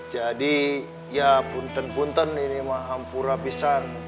jadi ya punten punten ini mah hampurah pisang